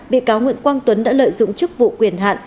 bị cáo nguyễn quang tuấn đã lợi dụng chức vụ quyền hạn